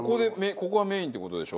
ここがメインって事でしょ？